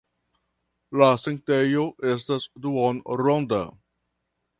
La sanktejo estas duonronda.